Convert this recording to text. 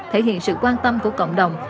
thể hiện sự quan tâm của cộng đồng